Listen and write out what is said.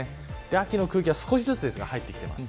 秋の空気が少しずつ入っています。